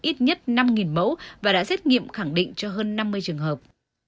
ít nhất năm mẫu và đã xét nghiệm khẳng định cho hơn năm mươi trường hợp